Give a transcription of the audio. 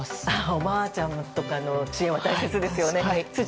おばあちゃんの知恵は大切ですよね。